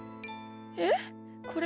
えっこれは？